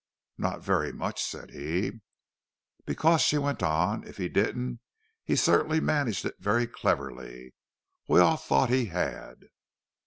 "Not very much," said he. "Because," she went on, "if he didn't, he certainly managed it very cleverly—we all thought he had."